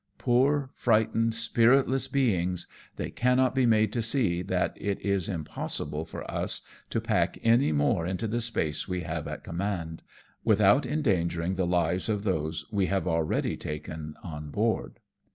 Poor, frightened, spiritless beings, they cannot be made to see that it is impossible for us to pack any more into the space we have at command, without endangering the lives of those we have already taken on board.